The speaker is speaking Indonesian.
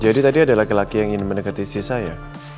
jadi tadi ada laki laki yang ingin mendekati si saya